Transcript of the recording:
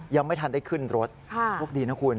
ยังไม่ทันได้ขึ้นรถโชคดีนะคุณ